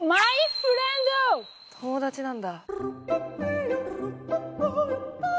友達なんだ。